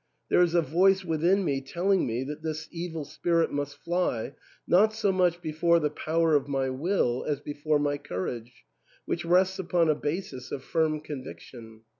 " There is a voice within me telling me that this evil spirit must fly, not so much be fore the power of my will as before my courage, which rests upon a basis of firm conviction.